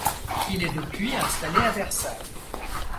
Il est depuis installé à Versailles.